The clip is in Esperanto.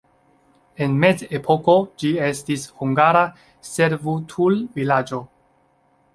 En mezepoko ĝi estis hungara servutulvilaĝo.